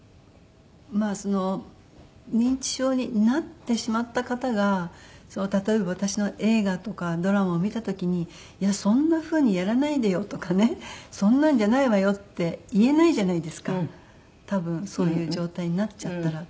まあその認知症になってしまった方が例えば私の映画とかドラマを見た時に「いやそんな風にやらないでよ」とかね「そんなんじゃないわよ」って言えないじゃないですか多分そういう状態になっちゃったら。